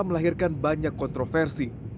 melahirkan banyak kontroversi